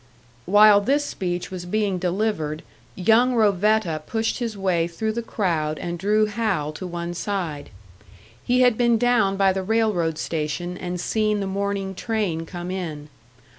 While this speech was being delivered, young Rovetta pushed his way through the crowd and drew Hal to one side. He had been down by the railroad station and seen the morning train come in.